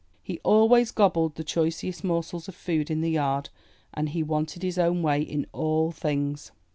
He always gobbled the choicest morsels of food in the yard, and he wanted his own way in all things.